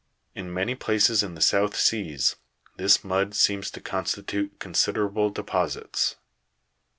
In many places in the South Seas this mud seems to constitute considerable deposits.